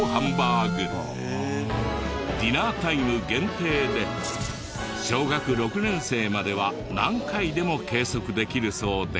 ディナータイム限定で小学６年生までは何回でも計測できるそうで。